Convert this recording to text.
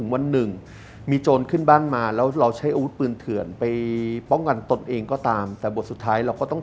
โดยไม่ได้รับอนุญาต